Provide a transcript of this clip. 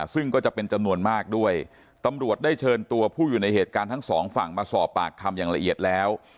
ซึ่งก็จะเป็นจำนวนมากด้วยตำรวจได้เชิญตัวผู้อยู่ในเหตุการณ์ทั้งสองฝั่งมาสอบปากคำอย่างละเอียดแล้ว